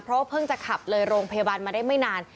เพราะว่าเพิ่งจะขับเลยโรงพยาบาลมาได้ไม่นาน